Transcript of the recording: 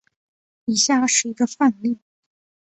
以下是一个范例。